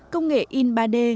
công nghệ in ba d